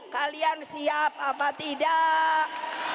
kalian siap apa tidak